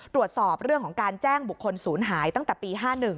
ตรวจสอบเรื่องของการแจ้งบุคคลศูนย์หายตั้งแต่ปี๕๑